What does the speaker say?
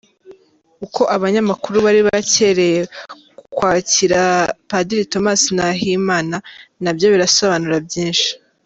Uko abanyamakuru bari bacyereye kwakira Padiri Thomas Nahimana nabyo birasobanura byinshi.